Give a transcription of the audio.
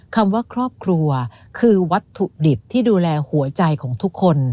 คำว่าครอบครัวคือวัตถุดิบที่ดูแลหัวใจของทุกคน